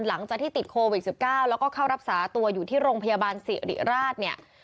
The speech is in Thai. หลังจากที่ติดโควิด๑๙แล้วก็เข้ารักษาตัวอยู่ที่โรงพยาบาลสิริราชเนี่ย